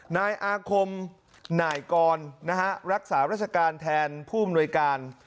นายอาคมหน่ายกรรักษาราชการแทนผู้อำนวยการ